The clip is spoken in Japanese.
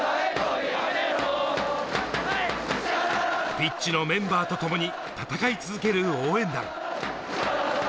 ピッチのメンバーとともに戦い続ける応援団。